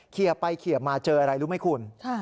เขียวไปเขียวมาเจออะไรรู้ไหมคุณ